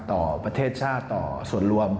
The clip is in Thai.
ต่อประเทศชาติต่อส่วนรวม